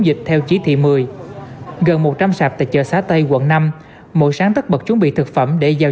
dịch theo chí thị một mươi gần một trăm linh sạp tại chợ xá tây quận năm mỗi sáng tắt bật chuẩn bị thực phẩm để giao